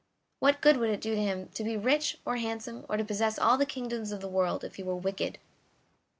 What good would it do him to be rich, or handsome, or to possess all the kingdoms of the world if he were wicked?